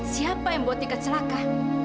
siapa yang buat tika celaka